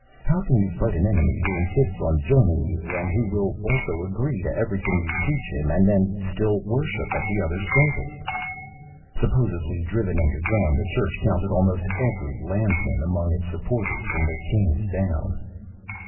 How can you fight an enemy who insists on joining you and who will also agree to everything you teach him and then still worship at the other service? Supposedly driven underground, the Church counted almost every Landsman among its supporters from the Kings down.